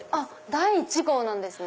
第１号なんですね！